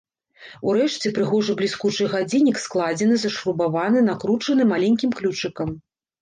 Урэшце прыгожы бліскучы гадзіннік складзены, зашрубаваны, накручаны маленькім ключыкам.